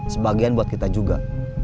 sebagian buat kita juga